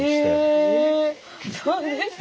へえそうですか。